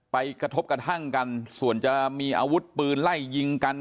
กระทบกระทั่งกันส่วนจะมีอาวุธปืนไล่ยิงกัน